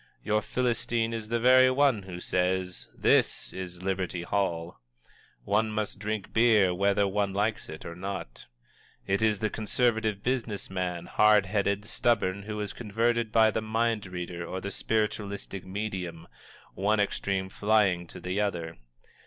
Your Philistine is the very one who says: "This is Liberty Hall!" and one must drink beer whether one likes it or not. It is the conservative business man, hard headed, stubborn, who is converted by the mind reader or the spiritualistic medium one extreme flying to the other.